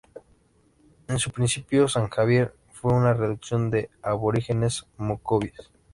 En su principio San Javier fue una reducción de aborígenes mocovíes.